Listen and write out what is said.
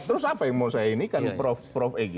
terus apa yang mau saya inikan prof egy